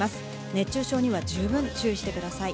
熱中症には十分注意してください。